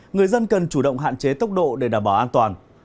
người dân cần chủ động hạn chế tốc độ để đảm bảo an toàn